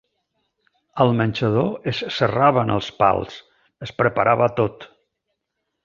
Al menjador es serraven els pals, es preparava tot.